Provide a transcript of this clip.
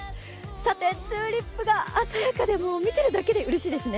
さて、チューリップが鮮やかで、見ているだけでうれしいですね。